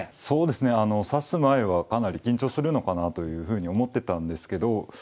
そうですね指す前はかなり緊張するのかなというふうに思ってたんですけど